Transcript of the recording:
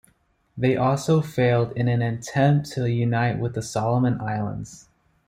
They also failed in an attempt to unite with the Solomon Islands.